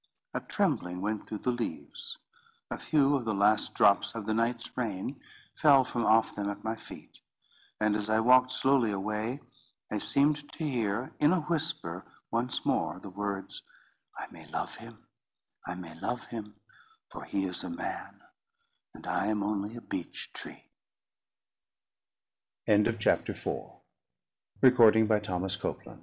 A trembling went through the leaves; a few of the last drops of the night's rain fell from off them at my feet; and as I walked slowly away, I seemed to hear in a whisper once more the words: "I may love him, I may love him; for he is a man, and I am only a beech tree." CHAPTER V "And she was smooth and full, as if one gu